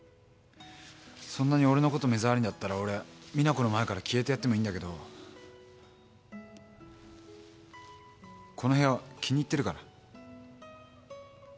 そんなに俺のこと目障りだったら俺実那子の前から消えてやってもいいんだけどこの部屋気に入ってるから。